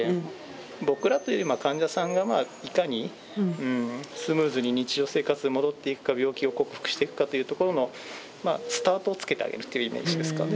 僕らというより患者さんがまあいかにスムーズに日常生活に戻っていくか病気を克服していくかっていうところのスタートをつけてあげるっていうイメージですかね。